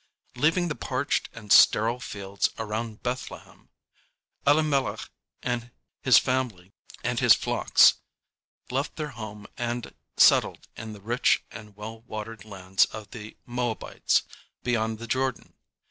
"] Leaving the parched and sterile fields around Bethlehem, Elimelech, his family and his flocks, left their home and settled in the rich and well watered lands of the Moabites, beyond the Jordan.